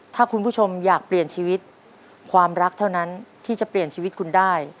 ถ้าคุณผู้ชมอยากเปลี่ยนชีวิตความรักเท่านั้นที่จะเปลี่ยนชีวิตคุณได้